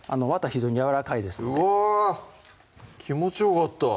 非常にやわらかいですのでうわ気持ちよかった